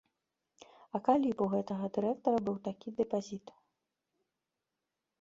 А калі б у гэтага дырэктара быў такі дэпазіт?